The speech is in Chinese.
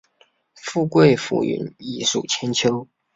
富贵浮云，艺术千秋